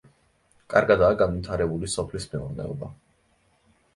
კარგადაა განვითარებული სოფლის მეურნეობა.